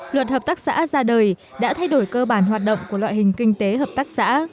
luật hợp tác xã ra đời đã thay đổi cơ bản hoạt động của loại hình kinh tế hợp tác xã